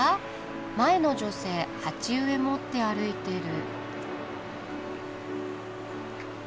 前の女性鉢植え持って歩いてる。